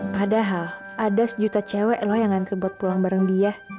padahal ada sejuta cewek loh yang ngantri buat pulang bareng dia